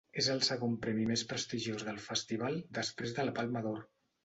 És el segon premi més prestigiós del festival després de la Palma d'Or.